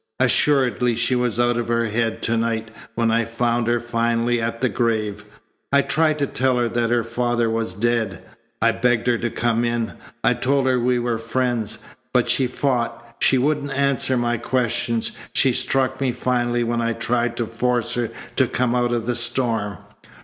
Assuredly she was out of her head to night, when I found her finally at the grave. I tried to tell her that her father was dead. I begged her to come in. I told her we were friends. But she fought. She wouldn't answer my questions. She struck me finally when I tried to force her to come out of the storm.